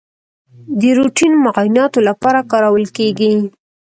د روټین معایناتو لپاره کارول کیږي.